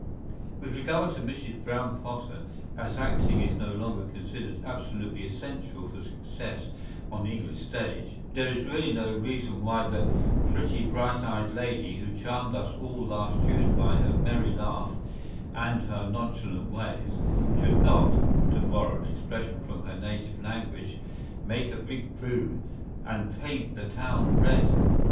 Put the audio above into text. With regard to Mrs. Brown Potter, as acting is no longer considered absolutely essential for success on the English stage, there is really no reason why the pretty bright eyed lady who charmed us all last June by her merry laugh and her nonchalant ways, should not—to borrow an expression from her native language—make a big boom and paint the town red.